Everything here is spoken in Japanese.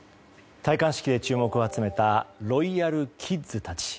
戴冠式で注目を集めたロイヤルキッズたち。